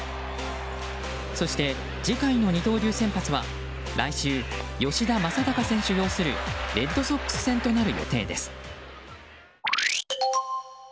そして、次回の二刀流先発は来週、吉田正尚選手擁するレッドソックス戦となる予定です。